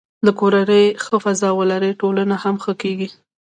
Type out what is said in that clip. که کورنۍ ښه فضا ولري، ټولنه هم ښه کېږي.